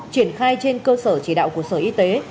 triển khai trên cơ sở chỉ đạo của sở y tế